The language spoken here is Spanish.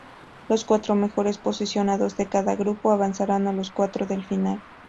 Los cuatro mejores posicionados de cada grupo avanzarán a los cuartos de final.